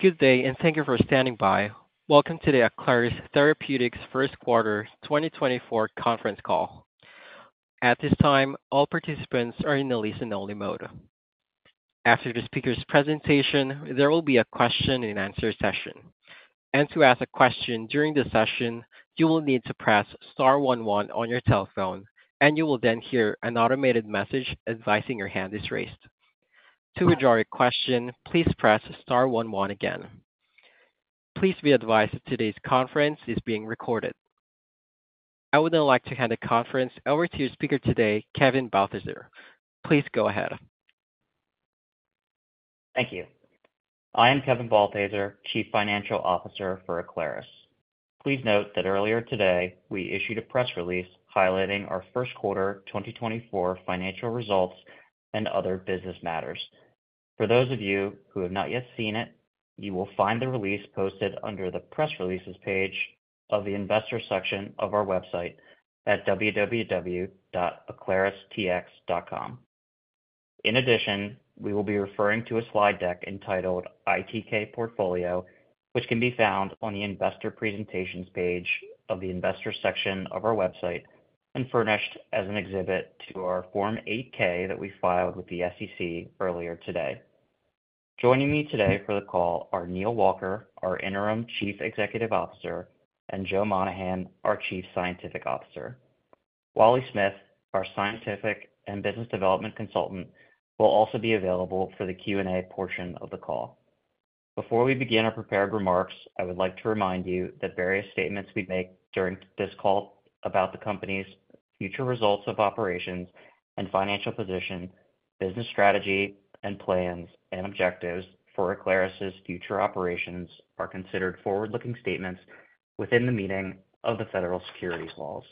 Good day, and thank you for standing by. Welcome to the Aclaris Therapeutics first quarter 2024 conference call. At this time, all participants are in the listen-only mode. After the speaker's presentation, there will be a question-and-answer session. To ask a question during the session, you will need to press star one one on your telephone, and you will then hear an automated message advising your hand is raised. To withdraw your question, please press star one one again. Please be advised that today's conference is being recorded. I would now like to hand the conference over to your speaker today, Kevin Balthaser. Please go ahead. Thank you. I am Kevin Balthaser, Chief Financial Officer for Aclaris. Please note that earlier today we issued a press release highlighting our first quarter 2024 financial results and other business matters. For those of you who have not yet seen it, you will find the release posted under the Press Releases page of the Investor section of our website at www.aclaristx.com. In addition, we will be referring to a slide deck entitled ITK Portfolio, which can be found on the Investor Presentations page of the Investor section of our website and furnished as an exhibit to our Form 8-K that we filed with the SEC earlier today. Joining me today for the call are Neal Walker, our interim Chief Executive Officer, and Joe Monahan, our Chief Scientific Officer. Wally Smith, our scientific and business development consultant, will also be available for the Q&A portion of the call. Before we begin our prepared remarks, I would like to remind you that various statements we make during this call about the company's future results of operations and financial position, business strategy, and plans and objectives for Aclaris's future operations are considered forward-looking statements within the meaning of the federal securities laws.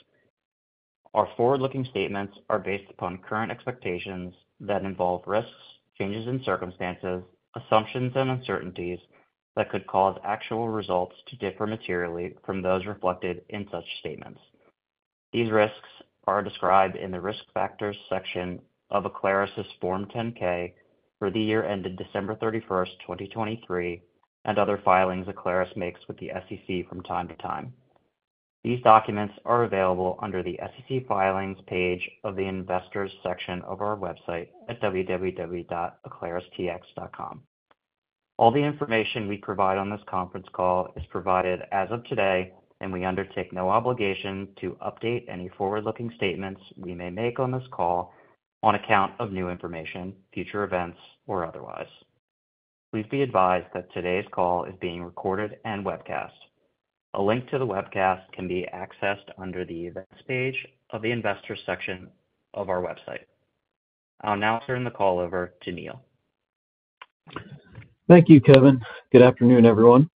Our forward-looking statements are based upon current expectations that involve risks, changes in circumstances, assumptions, and uncertainties that could cause actual results to differ materially from those reflected in such statements. These risks are described in the Risk Factors section of Aclaris's Form 10-K for the year ended December 31st, 2023, and other filings Aclaris makes with the SEC from time to time. These documents are available under the SEC Filings page of the Investors section of our website at www.aclaristx.com. All the information we provide on this conference call is provided as of today, and we undertake no obligation to update any forward-looking statements we may make on this call on account of new information, future events, or otherwise. Please be advised that today's call is being recorded and webcast. A link to the webcast can be accessed under the Events page of the Investors section of our website. I'll now turn the call over to Neal. Thank you, Kevin. Good afternoon, everyone.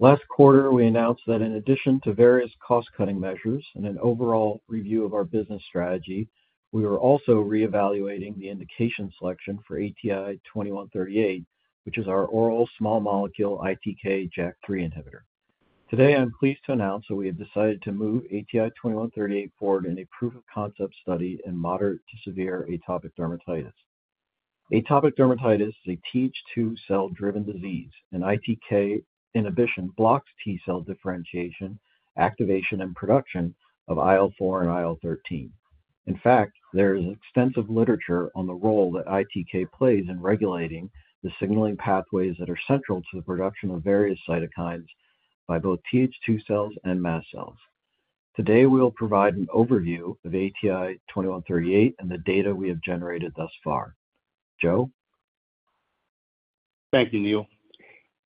Last quarter, we announced that in addition to various cost-cutting measures and an overall review of our business strategy, we were also reevaluating the indication selection for ATI-2138, which is our oral small molecule ITK/JAK3 inhibitor. Today, I'm pleased to announce that we have decided to move ATI-2138 forward in a proof of concept study in moderate to severe atopic dermatitis. Atopic dermatitis is a TH2-cell-driven disease, and ITK inhibition blocks T-cell differentiation, activation, and production of IL-4 and IL-13. In fact, there is extensive literature on the role that ITK plays in regulating the signaling pathways that are central to the production of various cytokines by both TH2 cells and mast cells. Today, we will provide an overview of ATI-2138 and the data we have generated thus far. Joe? Thank you,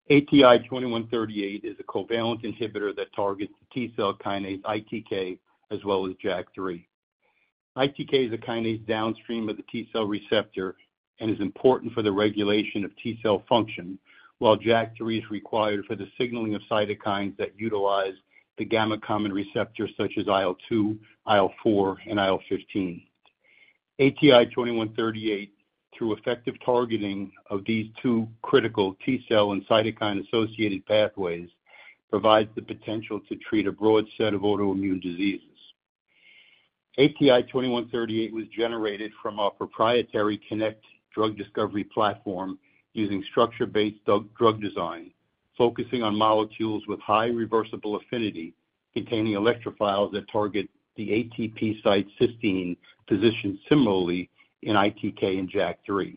Neal. ATI-2138 is a covalent inhibitor that targets the T-cell kinase ITK as well as JAK3. ITK is a kinase downstream of the T-cell receptor and is important for the regulation of T-cell function, while JAK3 is required for the signaling of cytokines that utilize the gamma-common receptor such as IL-2, IL-4, and IL-15. ATI-2138, through effective targeting of these two critical T-cell and cytokine-associated pathways, provides the potential to treat a broad set of autoimmune diseases. ATI-2138 was generated from our proprietary KINect drug discovery platform using structure-based drug design, focusing on molecules with high reversible affinity containing electrophiles that target the ATP site cysteine positioned similarly in ITK and JAK3.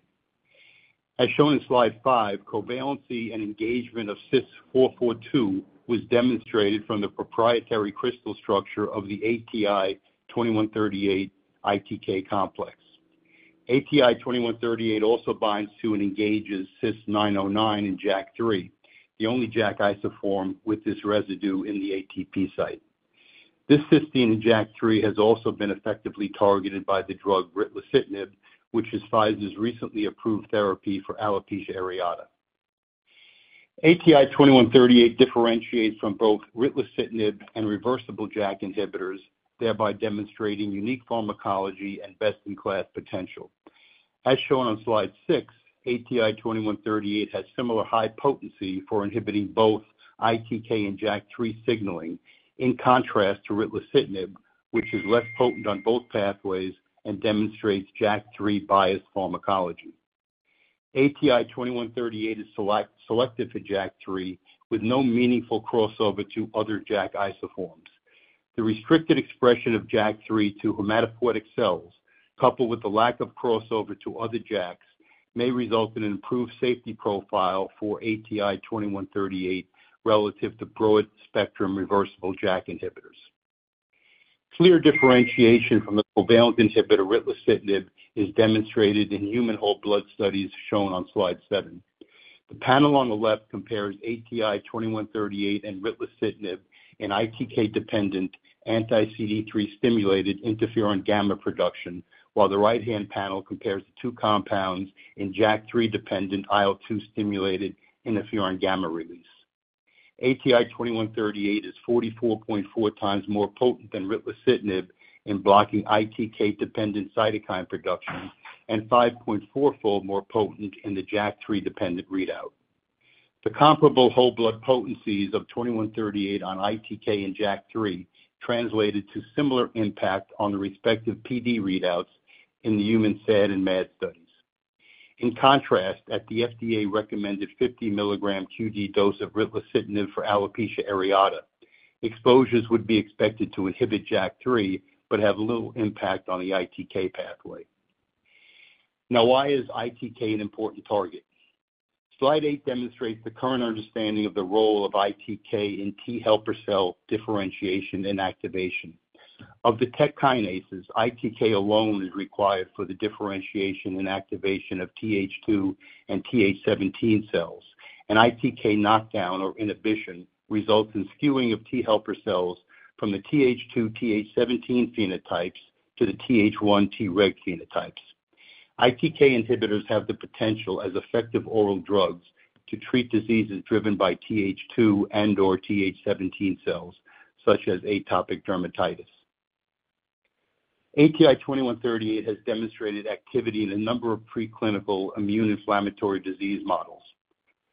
As shown in Slide 5, covalency and engagement of CYS442 was demonstrated from the proprietary crystal structure of the ATI-2138 ITK complex. ATI-2138 also binds to and engages CYS909 in JAK3, the only JAK isoform with this residue in the ATP site. This cysteine in JAK3 has also been effectively targeted by the drug ritlecitinib, which is Pfizer's recently approved therapy for alopecia areata. ATI-2138 differentiates from both ritlecitinib and reversible JAK inhibitors, thereby demonstrating unique pharmacology and best-in-class potential. As shown on Slide 6, ATI-2138 has similar high potency for inhibiting both ITK and JAK3 signaling, in contrast to ritlecitinib, which is less potent on both pathways and demonstrates JAK3-biased pharmacology. ATI-2138 is selective to JAK3 with no meaningful crossover to other JAK isoforms. The restricted expression of JAK3 to hematopoietic cells, coupled with the lack of crossover to other JAKs, may result in an improved safety profile for ATI-2138 relative to broad-spectrum reversible JAK inhibitors. Clear differentiation from the covalent inhibitor ritlecitinib is demonstrated in human whole blood studies shown on Slide 7. The panel on the left compares ATI-2138 and ritlecitinib in ITK-dependent anti-CD3-stimulated interferon gamma production, while the right-hand panel compares the two compounds in JAK3-dependent IL-2-stimulated interferon gamma release. ATI-2138 is 44.4 times more potent than ritlecitinib in blocking ITK-dependent cytokine production and 5.4-fold more potent in the JAK3-dependent readout. The comparable whole blood potencies of ATI-2138 on ITK and JAK3 translated to similar impact on the respective PD readouts in the human SAD and MAD studies. In contrast, at the FDA-recommended 50 milligram q.d. dose of ritlecitinib for alopecia areata, exposures would be expected to inhibit JAK3 but have little impact on the ITK pathway. Now, why is ITK an important target? Slide 8 demonstrates the current understanding of the role of ITK in T-helper cell differentiation and activation. Of the TEC kinases, ITK alone is required for the differentiation and activation of TH2 and TH17 cells, and ITK knockdown or inhibition results in skewing of T-helper cells from the TH2-TH17 phenotypes to the TH1-Treg phenotypes. ITK inhibitors have the potential, as effective oral drugs, to treat diseases driven by TH2 and/or TH17 cells, such as atopic dermatitis. ATI-2138 has demonstrated activity in a number of preclinical immune-inflammatory disease models.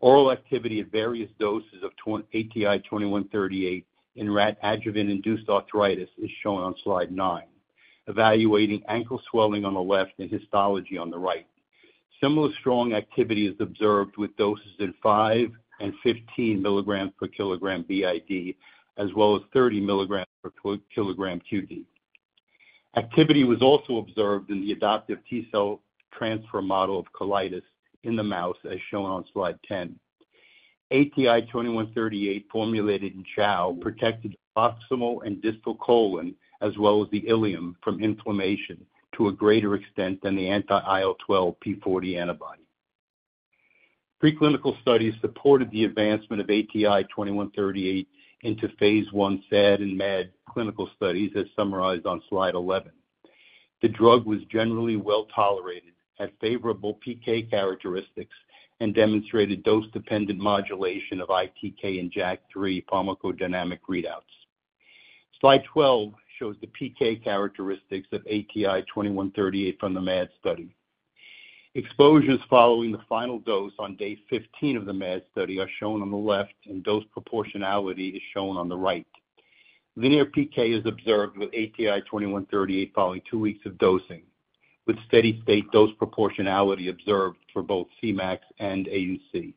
Oral activity at various doses of ATI-2138 in rat adjuvant-induced arthritis is shown on Slide 9, evaluating ankle swelling on the left and histology on the right. Similar strong activity is observed with doses in 5 mg and 15 mg per kg b.i.d., as well as 30 mg per kg q.d. Activity was also observed in the adaptive T-cell transfer model of colitis in the mouse, as shown on Slide 10. ATI-2138 formulated in chow protected the proximal and distal colon, as well as the ileum, from inflammation to a greater extent than the anti-IL-12 p40 antibody. Preclinical studies supported the advancement of ATI-2138 into phase I SAD and MAD clinical studies, as summarized on Slide 11. The drug was generally well tolerated, had favorable PK characteristics, and demonstrated dose-dependent modulation of ITK and JAK3 pharmacodynamic readouts. Slide 12 shows the PK characteristics of ATI-2138 from the MAD study. Exposures following the final dose on day 15 of the MAD study are shown on the left, and dose proportionality is shown on the right. Linear PK is observed with ATI-2138 following two weeks of dosing, with steady-state dose proportionality observed for both Cmax and AUC.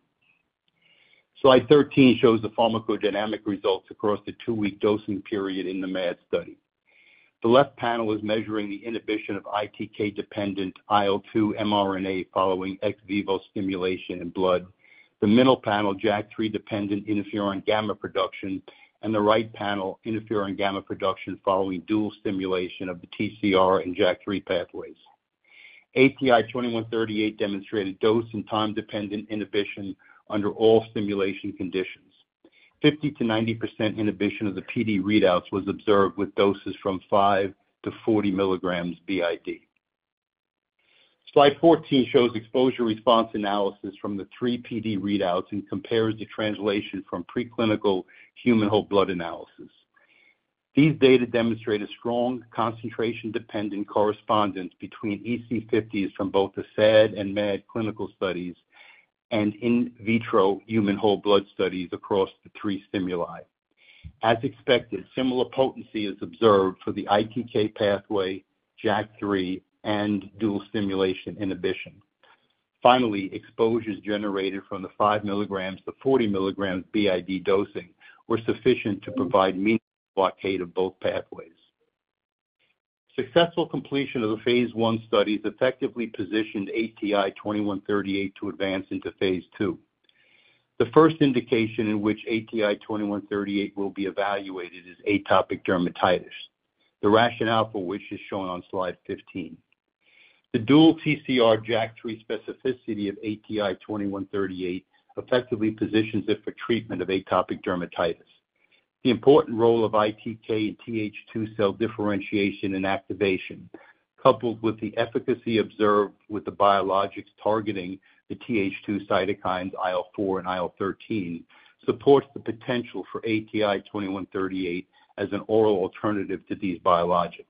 Slide 13 shows the pharmacodynamic results across the two-week dosing period in the MAD study. The left panel is measuring the inhibition of ITK-dependent IL-2 mRNA following ex vivo stimulation in blood, the middle panel JAK3-dependent interferon gamma production, and the right panel interferon gamma production following dual stimulation of the TCR and JAK3 pathways. ATI-2138 demonstrated dose and time-dependent inhibition under all stimulation conditions. 50% to 90% inhibition of the PD readouts was observed with doses from 5 mg to 40 mg b.i.d. Slide 14 shows exposure response analysis from the three PD readouts and compares the translation from preclinical human whole blood analysis. These data demonstrate a strong concentration-dependent correspondence between EC50s from both the SAD and MAD clinical studies and in vitro human whole blood studies across the three stimuli. As expected, similar potency is observed for the ITK pathway, JAK3, and dual stimulation inhibition. Finally, exposures generated from the 5 mg to 40 mg b.i.d. Dosing were sufficient to provide meaningful blockade of both pathways. Successful completion of the phase I studies effectively positioned ATI-2138 to advance into phase II. The first indication in which ATI-2138 will be evaluated is atopic dermatitis, the rationale for which is shown on Slide 15. The dual TCR/JAK3 specificity of ATI-2138 effectively positions it for treatment of atopic dermatitis. The important role of ITK and TH2 cell differentiation and activation, coupled with the efficacy observed with the biologics targeting the TH2 cytokines IL-4 and IL-13, supports the potential for ATI-2138 as an oral alternative to these biologics.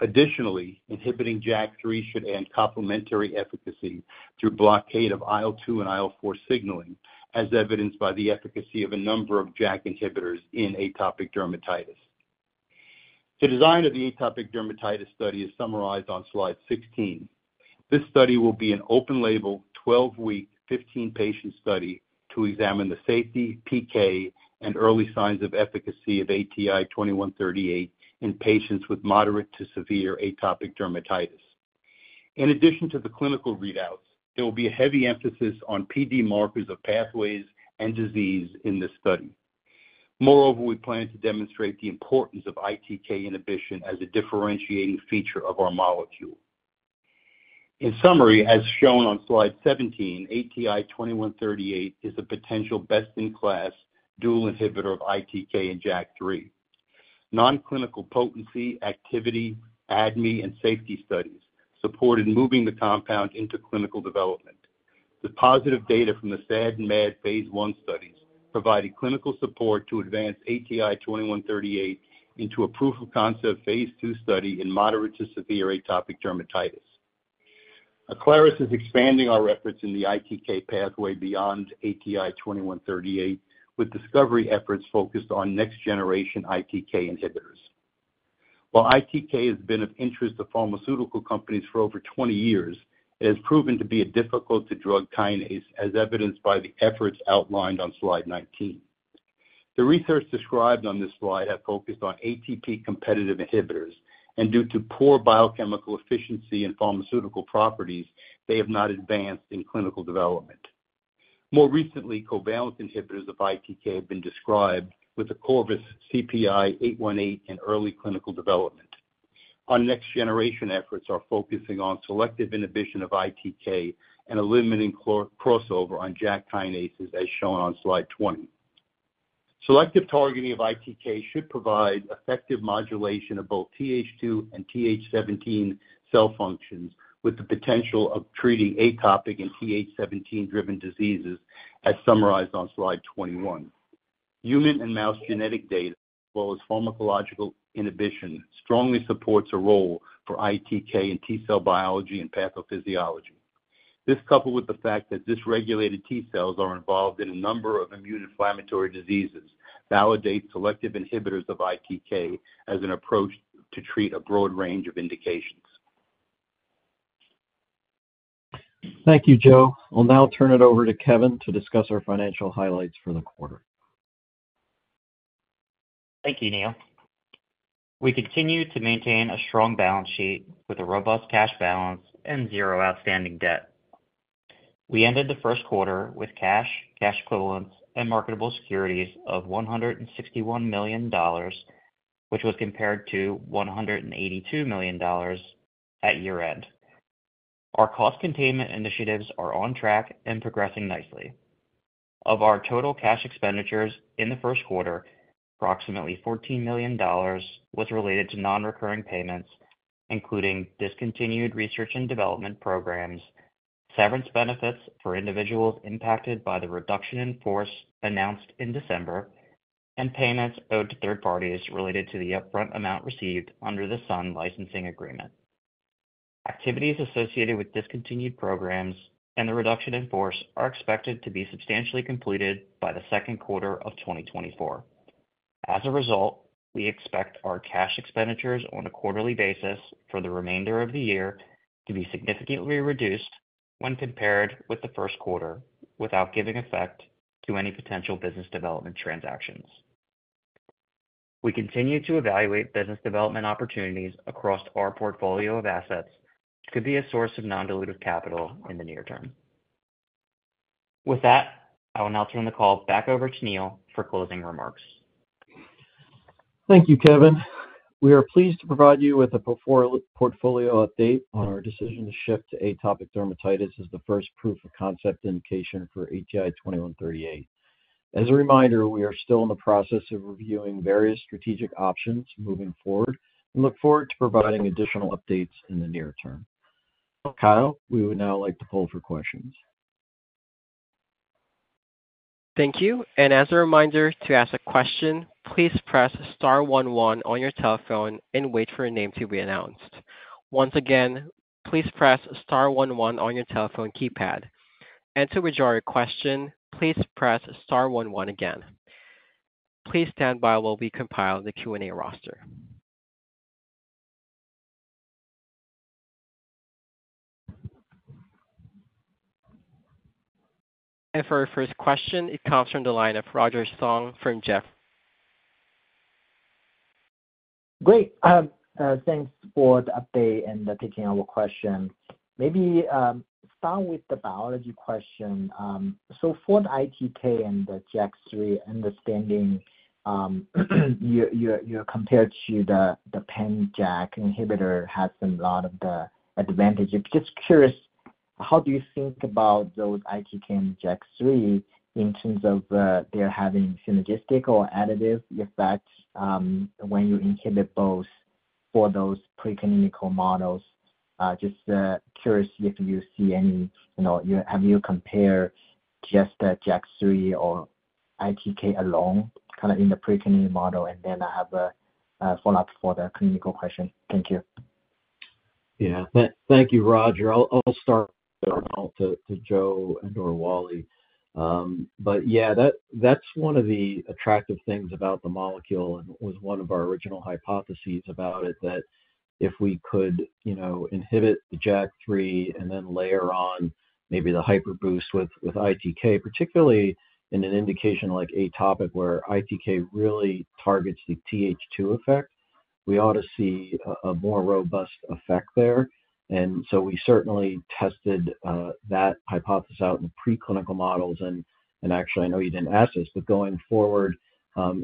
Additionally, inhibiting JAK3 should add complementary efficacy through blockade of IL-2 and IL-4 signaling, as evidenced by the efficacy of a number of JAK inhibitors in atopic dermatitis. The design of the atopic dermatitis study is summarized on Slide 16. This study will be an open-label, 12-week, 15-patient study to examine the safety, PK, and early signs of efficacy of ATI-2138 in patients with moderate to severe atopic dermatitis. In addition to the clinical readouts, there will be a heavy emphasis on PD markers of pathways and disease in this study. Moreover, we plan to demonstrate the importance of ITK inhibition as a differentiating feature of our molecule. In summary, as shown on Slide 17, ATI-2138 is a potential best-in-class dual inhibitor of ITK and JAK3. Non-clinical potency, activity, ADME, and safety studies supported moving the compound into clinical development. The positive data from the SAD and MAD phase I studies provided clinical support to advance ATI-2138 into a proof of concept phase II study in moderate to severe atopic dermatitis. Aclaris is expanding our efforts in the ITK pathway beyond ATI-2138 with discovery efforts focused on next-generation ITK inhibitors. While ITK has been of interest to pharmaceutical companies for over 20 years, it has proven to be a difficult drug kinase, as evidenced by the efforts outlined on Slide 19. The research described on this slide has focused on ATP-competitive inhibitors, and due to poor biochemical efficiency and pharmaceutical properties, they have not advanced in clinical development. More recently, covalent inhibitors of ITK have been described with the Corvus CPI-818 in early clinical development. Our next-generation efforts are focusing on selective inhibition of ITK and eliminating crossover on JAK kinases, as shown on Slide 20. Selective targeting of ITK should provide effective modulation of both TH2 and TH17 cell functions, with the potential of treating atopic and TH17-driven diseases, as summarized on Slide 21. Human and mouse genetic data, as well as pharmacological inhibition, strongly supports a role for ITK in T-cell biology and pathophysiology. This, coupled with the fact that dysregulated T cells are involved in a number of immune-inflammatory diseases, validates selective inhibitors of ITK as an approach to treat a broad range of indications. Thank you, Joe. I'll now turn it over to Kevin to discuss our financial highlights for the quarter. Thank you, Neal. We continue to maintain a strong balance sheet with a robust cash balance and zero outstanding debt. We ended the first quarter with cash, cash equivalents, and marketable securities of $161 million, which was compared to $182 million at year-end. Our cost containment initiatives are on track and progressing nicely. Of our total cash expenditures in the first quarter, approximately $14 million was related to non-recurring payments, including discontinued research and development programs, severance benefits for individuals impacted by the reduction in force announced in December, and payments owed to third parties related to the upfront amount received under the Sun licensing agreement. Activities associated with discontinued programs and the reduction in force are expected to be substantially completed by the second quarter of 2024. As a result, we expect our cash expenditures on a quarterly basis for the remainder of the year to be significantly reduced when compared with the first quarter, without giving effect to any potential business development transactions. We continue to evaluate business development opportunities across our portfolio of assets to be a source of non-dilutive capital in the near term. With that, I will now turn the call back over to Neal for closing remarks. Thank you, Kevin. We are pleased to provide you with a portfolio update on our decision to shift to atopic dermatitis as the first proof of concept indication for ATI-2138. As a reminder, we are still in the process of reviewing various strategic options moving forward and look forward to providing additional updates in the near term. Kyle, we would now like to poll for questions. Thank you. And as a reminder to ask a question, please press star one one on your telephone and wait for your name to be announced. Once again, please press star one one on your telephone keypad. And to withdraw your question, please press star one one again. Please stand by while we compile the Q&A roster. And for our first question, it comes from the line of Roger Song from Jefferies. Great. Thanks for the update and taking on the question. Maybe start with the biology question. So for the ITK and the JAK3, understanding you're compared to the pan-JAK inhibitor has a lot of the advantage. Just curious, how do you think about those ITK and JAK3 in terms of their having synergistic or additive effects when you inhibit both for those preclinical models? Just curious if you see any have you compared just the JAK3 or ITK alone, kind of in the preclinical model? And then I have a follow-up for the clinical question. Thank you. Yeah. Thank you, Roger. I'll turn it over to Joe and/or Wally. But yeah, that's one of the attractive things about the molecule and was one of our original hypotheses about it, that if we could inhibit the JAK3 and then layer on maybe the hyperboost with ITK, particularly in an indication like atopic where ITK really targets the TH2 effect, we ought to see a more robust effect there. And so we certainly tested that hypothesis out in preclinical models. And actually, I know you didn't ask this, but going forward,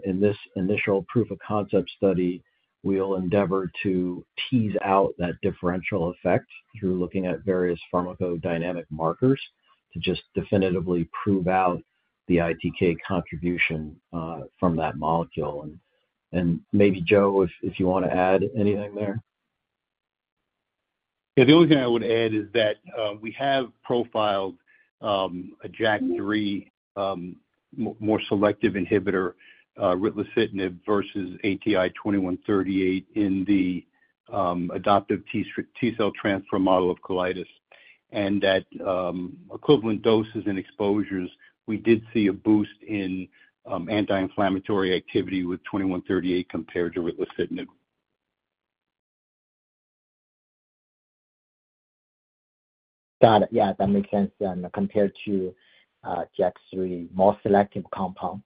in this initial proof of concept study, we'll endeavor to tease out that differential effect through looking at various pharmacodynamic markers to just definitively prove out the ITK contribution from that molecule. And maybe, Joe, if you want to add anything there. Yeah. The only thing I would add is that we have profiled a JAK3 more selective inhibitor, ritlecitinib, versus ATI-2138 in the adoptive T-cell transfer model of colitis. And at equivalent doses and exposures, we did see a boost in anti-inflammatory activity with 2138 compared to ritlecitinib. Got it. Yeah. That makes sense. And compared to JAK3, more selective compound.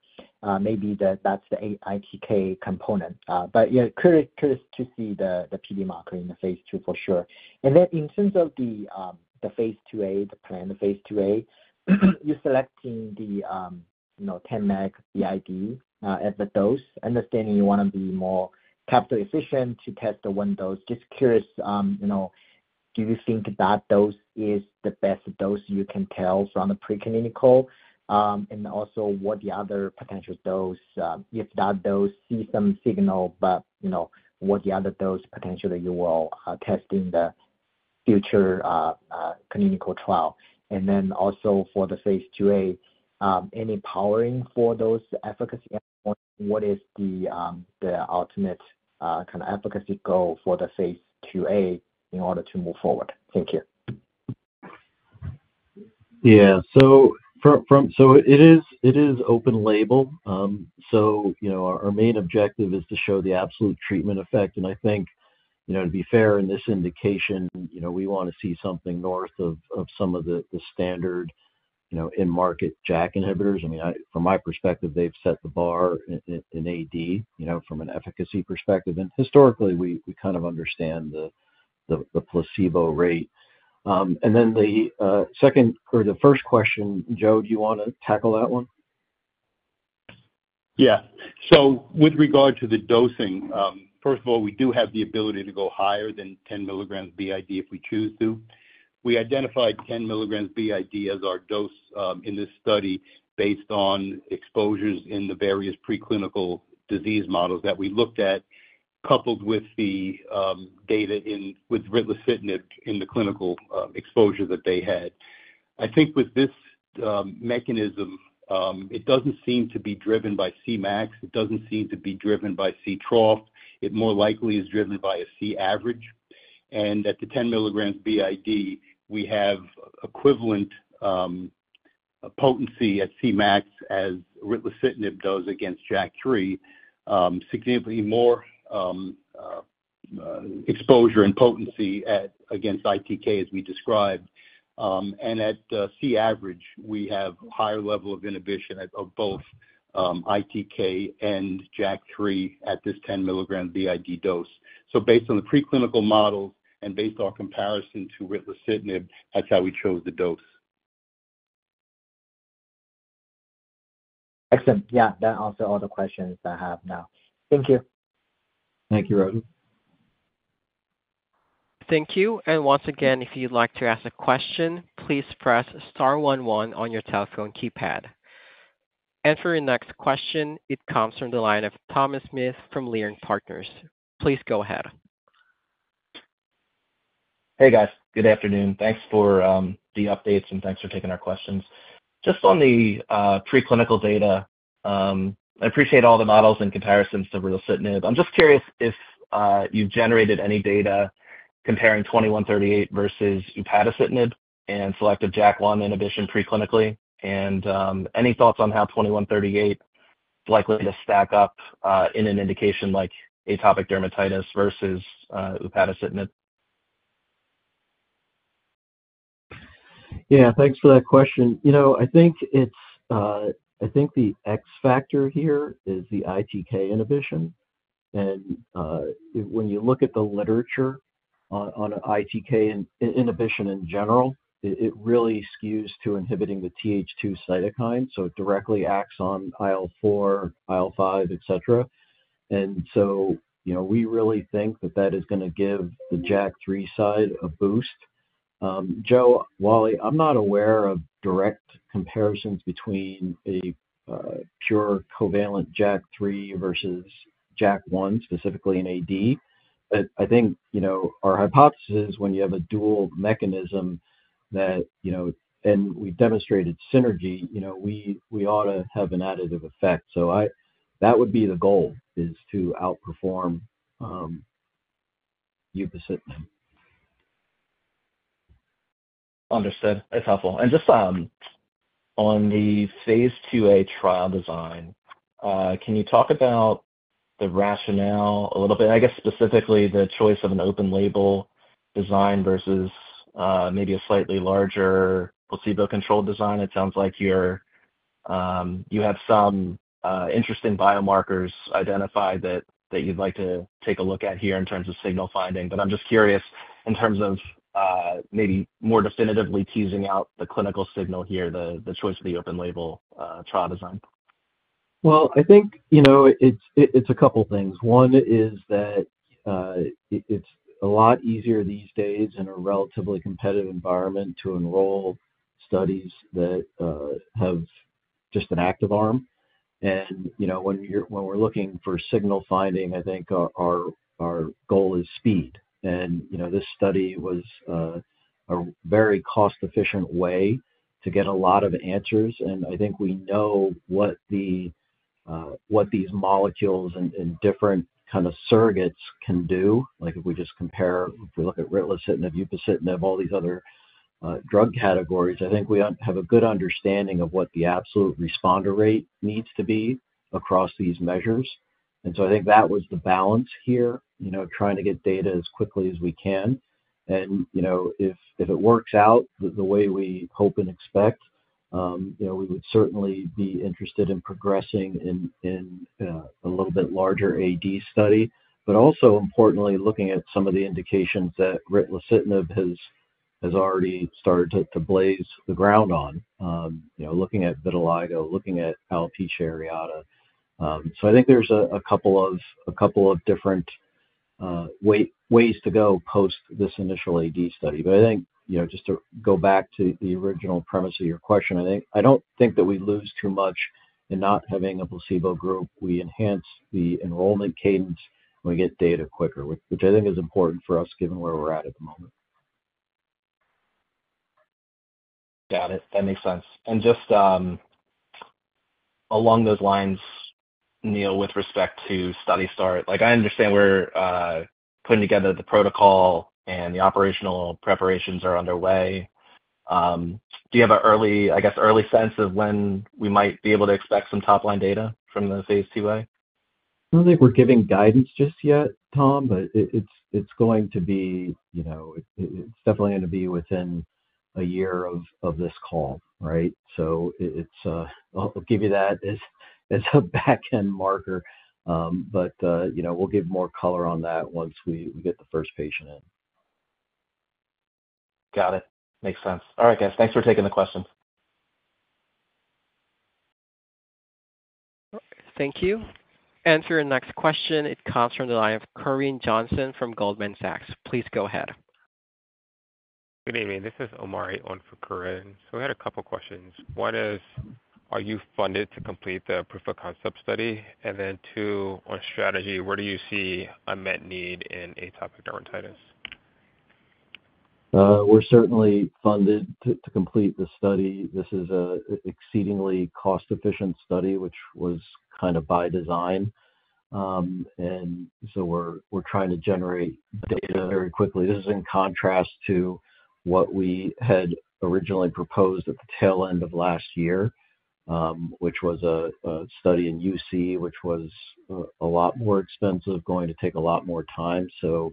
Maybe that's the ITK component. But yeah, curious to see the PD marker in the phase II for sure. And then in terms of the phase II-A, the planned phase II-A, you're selecting the 10 mg b.i.d. at the dose, understanding you want to be more capital efficient to test the one dose. Just curious, do you think that dose is the best dose you can tell from the preclinical? And also, what are the other potential doses? If that dose sees some signal, but what are the other doses potentially you will test in the future clinical trial? And then also for the phase II-A, any powering for those efficacy endpoints? What is the ultimate kind of efficacy goal for the phase IIA in order to move forward? Thank you. Yeah. It is open-label. Our main objective is to show the absolute treatment effect. And I think, to be fair, in this indication, we want to see something north of some of the standard-in-market JAK inhibitors. I mean, from my perspective, they've set the bar in AD from an efficacy perspective. And historically, we kind of understand the placebo rate. And then the second or the first question, Joe, do you want to tackle that one? Yeah. With regard to the dosing, first of all, we do have the ability to go higher than 10 mg b.i.d. if we choose to. We identified 10 mg b.i.d. as our dose in this study based on exposures in the various preclinical disease models that we looked at, coupled with the data with ritlecitinib in the clinical exposure that they had. I think with this mechanism, it doesn't seem to be driven by Cmax. It doesn't seem to be driven by Ctrough. It more likely is driven by a C average. And at the 10 mg b.i.d., we have equivalent potency at Cmax as ritlecitinib does against JAK3, significantly more exposure and potency against ITK as we described. And at C average, we have a higher level of inhibition of both ITK and JAK3 at this 10 milligram b.i.d. dose. So based on the preclinical models and based on comparison to ritlecitinib, that's how we chose the dose. Excellent. Yeah. That answered all the questions I have now. Thank you. Thank you, Roger. Thank you. And once again, if you'd like to ask a question, please press star one one on your telephone keypad. And for your next question, it comes from the line of Thomas Smith from Leerink Partners. Please go ahead. Hey, guys. Good afternoon. Thanks for the updates, and thanks for taking our questions. Just on the preclinical data, I appreciate all the models and comparisons to ritlecitinib. I'm just curious if you've generated any data comparing 2138 versus upadacitinib and selective JAK1 inhibition preclinically, and any thoughts on how 2138 is likely to stack up in an indication like atopic dermatitis versus upadacitinib? Yeah. Thanks for that question. I think the X factor here is the ITK inhibition. And when you look at the literature on ITK inhibition in general, it really skews to inhibiting the TH2 cytokine. So it directly acts on IL-4, IL-5, etc. And so we really think that that is going to give the JAK3 side a boost. Joe, Wally, I'm not aware of direct comparisons between a pure covalent JAK3 versus JAK1, specifically in AD. But I think our hypothesis is when you have a dual mechanism that and we've demonstrated synergy, we ought to have an additive effect. So that would be the goal, is to outperform upadacitinib. Understood. That's helpful. And just on the phase II-A trial design, can you talk about the rationale a little bit? I guess, specifically, the choice of an open-label design versus maybe a slightly larger placebo-controlled design. It sounds like you have some interesting biomarkers identified that you'd like to take a look at here in terms of signal finding. But I'm just curious in terms of maybe more definitively teasing out the clinical signal here, the choice of the open-label trial design. Well, I think it's a couple of things. One is that it's a lot easier these days in a relatively competitive environment to enroll studies that have just an active arm. When we're looking for signal finding, I think our goal is speed. This study was a very cost-efficient way to get a lot of answers. I think we know what these molecules and different kind of surrogates can do. If we just compare, if we look at ritlecitinib, upadacitinib, all these other drug categories, I think we have a good understanding of what the absolute responder rate needs to be across these measures. So I think that was the balance here, trying to get data as quickly as we can. If it works out the way we hope and expect, we would certainly be interested in progressing in a little bit larger AD study, but also, importantly, looking at some of the indications that ritlecitinib has already started to blaze the ground on, looking at vitiligo, looking at alopecia areata. I think there's a couple of different ways to go post this initial AD study. But I think just to go back to the original premise of your question, I don't think that we lose too much in not having a placebo group. We enhance the enrollment cadence when we get data quicker, which I think is important for us given where we're at the moment. Got it. That makes sense. And just along those lines, Neal, with respect to study start, I understand we're putting together the protocol, and the operational preparations are underway. Do you have an, I guess, early sense of when we might be able to expect some top-line data from the phase II-A? I don't think we're giving guidance just yet, Tom, but it's going to be it's definitely going to be within a year of this call, right? So I'll give you that as a backend marker. But we'll give more color on that once we get the first patient in. Got it. Makes sense. All right, guys. Thanks for taking the questions. Thank you. And for your next question, it comes from the line of Corinne Johnson from Goldman Sachs. Please go ahead. Good evening. This is Omari on for Corinne. So we had a couple of questions. One, are you funded to complete the proof of concept study? And then two, on strategy, where do you see an unmet need in atopic dermatitis? We're certainly funded to complete the study. This is an exceedingly cost-efficient study, which was kind of by design. And so we're trying to generate data very quickly. This is in contrast to what we had originally proposed at the tail end of last year, which was a study in UC, which was a lot more expensive, going to take a lot more time. So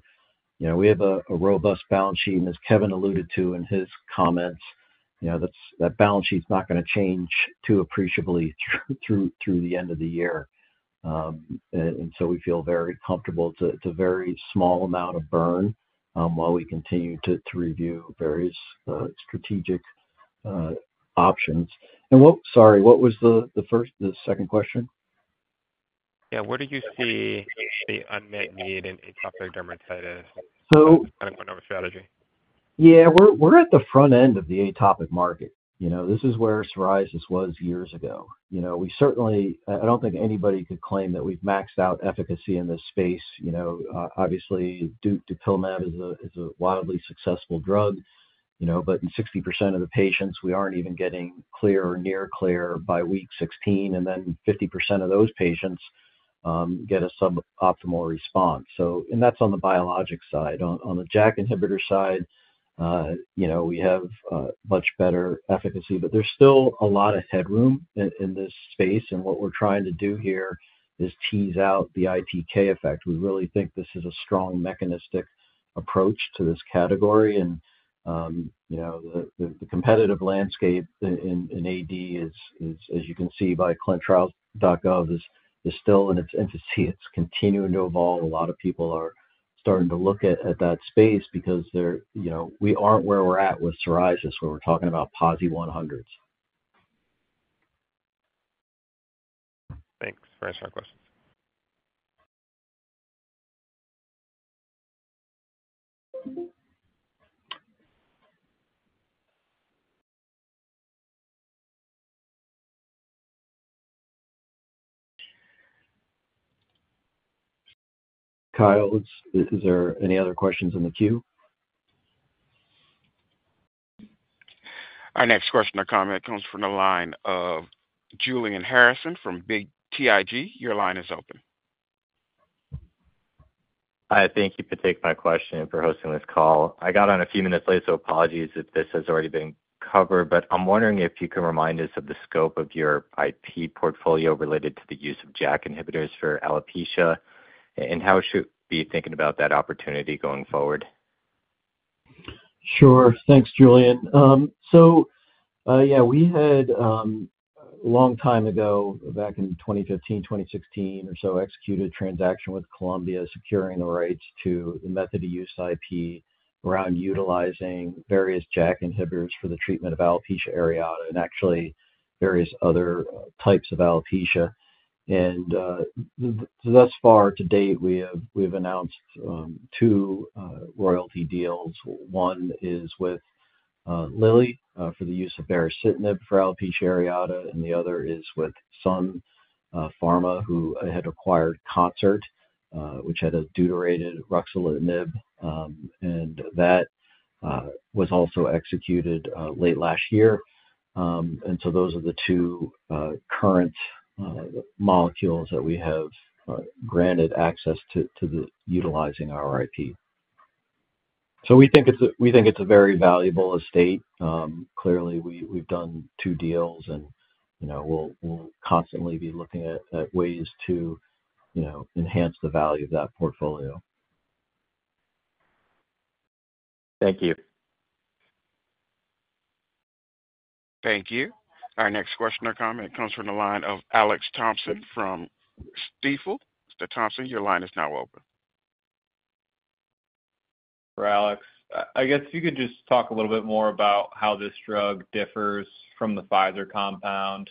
we have a robust balance sheet, and as Kevin alluded to in his comments, that balance sheet's not going to change too appreciably through the end of the year. And so we feel very comfortable. It's a very small amount of burn while we continue to review various strategic options. And sorry, what was the second question? Yeah. Where do you see the unmet need in atopic dermatitis? Kind of going over strategy. Yeah. We're at the front end of the atopic market. This is where psoriasis was years ago. I don't think anybody could claim that we've maxed out efficacy in this space. Obviously, dupilumab is a wildly successful drug. But in 60% of the patients, we aren't even getting clear or near clear by week 16. And then 50% of those patients get a suboptimal response. And that's on the biologic side. On the JAK inhibitor side, we have much better efficacy. But there's still a lot of headroom in this space. And what we're trying to do here is tease out the ITK effect. We really think this is a strong mechanistic approach to this category. And the competitive landscape in AD, as you can see by ClinicalTrials.gov, is still in its infancy. It's continuing to evolve. A lot of people are starting to look at that space because we aren't where we're at with psoriasis where we're talking about PASI 100s. Thanks. Very smart questions. Kyle, is there any other questions in the queue? Our next question or comment comes from the line of Julian Harrison from BTIG. Your line is open. Hi. Thank you for taking my question and for hosting this call. I got on a few minutes late, so apologies if this has already been covered. But I'm wondering if you can remind us of the scope of your IP portfolio related to the use of JAK inhibitors for alopecia and how should we be thinking about that opportunity going forward? Sure. Thanks, Julian. So yeah, we had a long time ago, back in 2015, 2016 or so, executed a transaction with Columbia securing the rights to the method of use IP around utilizing various JAK inhibitors for the treatment of alopecia areata and actually various other types of alopecia. And thus far to date, we have announced two royalty deals. One is with Lilly for the use of baricitinib for alopecia areata, and the other is with Sun Pharma, who had acquired Concert, which had a deuterated ruxolitinib. And that was also executed late last year. And so those are the two current molecules that we have granted access to utilizing our IP. So we think it's a very valuable estate. Clearly, we've done two deals, and we'll constantly be looking at ways to enhance the value of that portfolio. Thank you. Thank you. Our next question or comment comes from the line of Alex Thompson from Stifel. Mr. Thompson, your line is now open. All right, Alex. I guess if you could just talk a little bit more about how this drug differs from the Pfizer compound.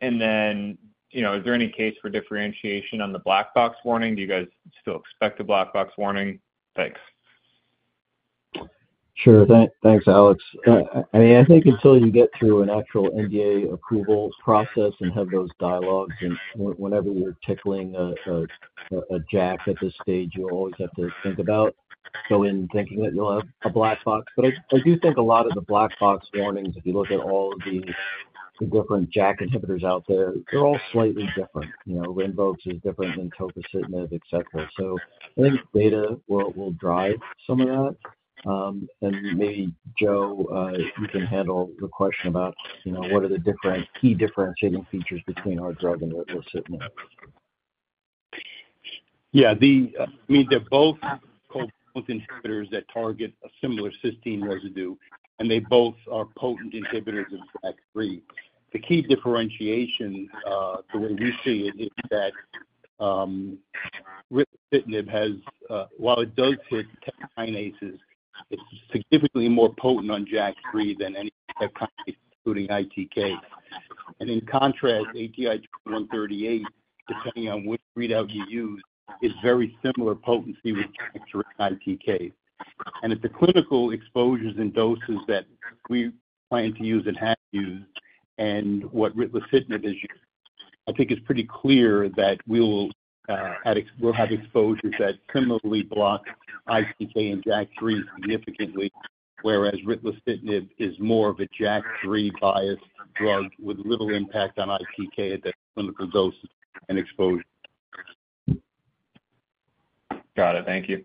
And then is there any case for differentiation on the black box warning? Do you guys still expect a black box warning? Thanks. Sure. Thanks, Alex. I mean, I think until you get through an actual NDA approval process and have those dialogues, and whenever you're tickling a JAK at this stage, you'll always have to think about going and thinking that you'll have a black box. But I do think a lot of the black box warnings, if you look at all of the different JAK inhibitors out there, they're all slightly different. RINVOQ is different than tofacitinib, etc. So I think data will drive some of that. And maybe, Joe, you can handle the question about what are the different key differentiating features between our drug and ritlecitinib. Yeah. I mean, they're both covalent inhibitors that target a similar cysteine residue, and they both are potent inhibitors of JAK3. The key differentiation, the way we see it, is that ritlecitinib, while it does hit TEC kinases, it's significantly more potent on JAK3 than any TEC kinase, including ITK. And in contrast, ATI-2138, depending on which readout you use, is very similar potency with JAK3 and ITK. And at the clinical exposures and doses that we plan to use and have used and what ritlecitinib is used, I think it's pretty clear that we'll have exposures that similarly block ITK and JAK3 significantly, whereas ritlecitinib is more of a JAK3-biased drug with little impact on ITK at the clinical doses and exposures. Got it. Thank you.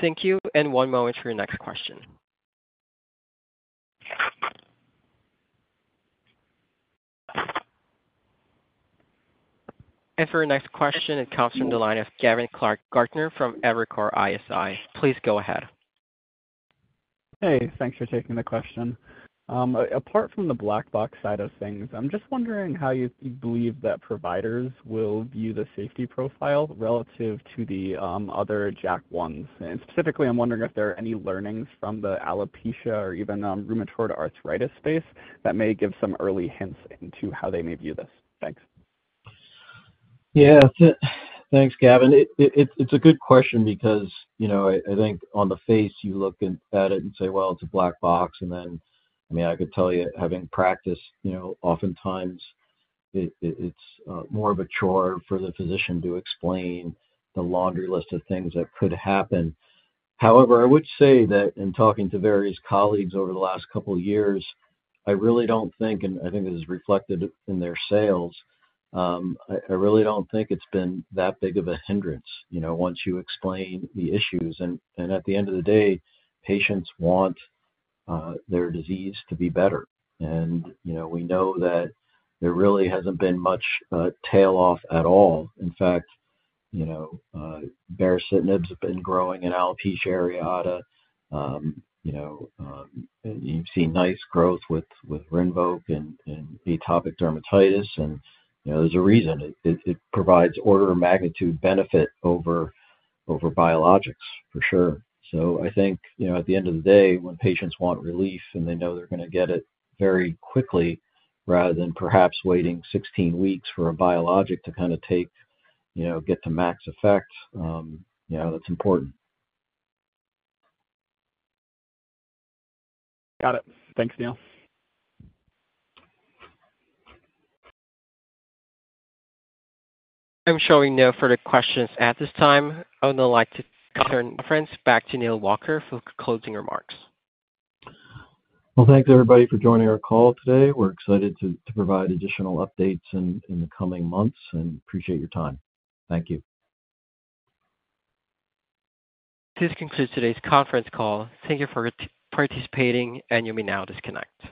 Thank you. And one moment for your next question. And for your next question, it comes from the line of Gavin Clark-Gartner from Evercore ISI. Please go ahead. Hey. Thanks for taking the question. Apart from the black box side of things, I'm just wondering how you believe that providers will view the safety profile relative to the other JAK1s. And specifically, I'm wondering if there are any learnings from the alopecia or even rheumatoid arthritis space that may give some early hints into how they may view this. Thanks. Yeah. Thanks, Gavin. It's a good question because I think on the face, you look at it and say, "Well, it's a black box." And then, I mean, I could tell you, having practiced, oftentimes, it's more of a chore for the physician to explain the laundry list of things that could happen. However, I would say that in talking to various colleagues over the last couple of years, I really don't think and I think this is reflected in their sales. I really don't think it's been that big of a hindrance once you explain the issues. And at the end of the day, patients want their disease to be better. And we know that there really hasn't been much tail off at all. In fact, baricitinib has been growing in alopecia areata. You've seen nice growth with Rinvoq and atopic dermatitis. And there's a reason. It provides order of magnitude benefit over biologics, for sure. So I think at the end of the day, when patients want relief and they know they're going to get it very quickly rather than perhaps waiting 16 weeks for a biologic to kind of get to max effect, that's important. Got it. Thanks, Neal. I'm showing no further questions at this time. I would like to turn the conference back to Neal Walker for closing remarks. Well, thanks, everybody, for joining our call today. We're excited to provide additional updates in the coming months and appreciate your time. Thank you. This concludes today's conference call. Thank you for participating, and you may now disconnect.